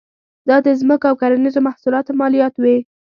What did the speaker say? دا د ځمکو او کرنیزو محصولاتو مالیات وې.